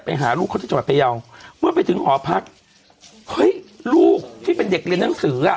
ไปหาลูกเขาที่จังหวัดพยาวเมื่อไปถึงหอพักเฮ้ยลูกที่เป็นเด็กเรียนหนังสืออ่ะ